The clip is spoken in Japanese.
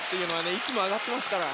息も上がっていますからね。